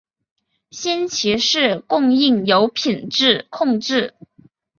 新奇士供应有品质控制。